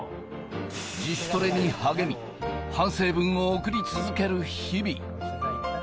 自主トレに励み、反省文を送り続ける日々。